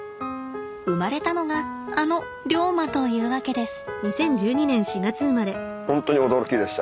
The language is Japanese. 生まれたのがあのリョウマというわけです。